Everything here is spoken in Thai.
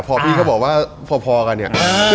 พอพี่เขาบอกว่าพอกันเนี่ย